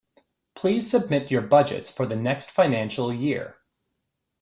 Please submit your budgets for the next financial year